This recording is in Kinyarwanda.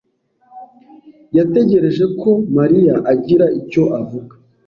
yategereje ko Mariya agira icyo avuga.